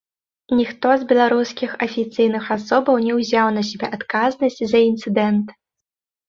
Ніхто з беларускіх афіцыйных асобаў не ўзяў на сябе адказнасць за інцыдэнт.